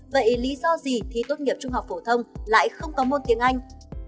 vậy lý do gì thi tốt nghiệp trung học phổ thông lại không có môn tiếng anh